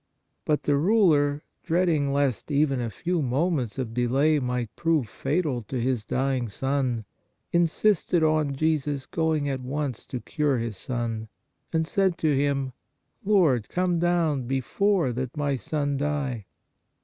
But the ruler, dreading lest even a few moments of delay might prove fatal to his dying son, insisted on Jesus going at once to cure his son, and said to Him :" Lord, come down before that my son die."